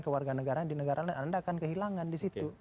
kewarganegaraan di negara lain anda akan kehilangan disitu